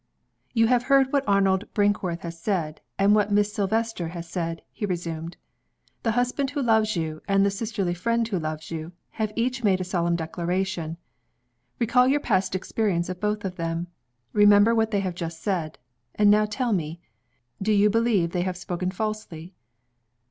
"You have heard what Arnold Brinkworth has said, and what Miss Silvester has said," he resumed. "The husband who loves you, and the sisterly friend who loves you, have each made a solemn declaration. Recall your past experience of both of them; remember what they have just said; and now tell me do you believe they have spoken falsely?"